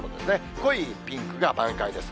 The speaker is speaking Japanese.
濃いピンクが満開です。